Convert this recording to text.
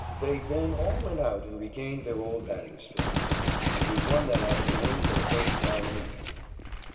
They, then, all went out and regained their old batting strides, and we won that afternoon for the first time in a week.